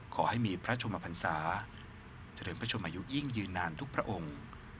ขอให้มีพระชมพันศาเจริญพระชมอายุยิ่งยืนนานทุกพระองค์